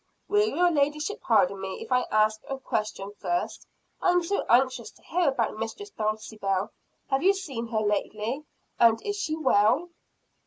"Will your ladyship pardon me if I ask a question first? I am so anxious to hear about Mistress Dulcibel. Have you seen her lately and is she well?"